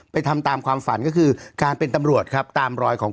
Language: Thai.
ทำตามความฝันก็คือการเป็นตำรวจครับตามรอยของ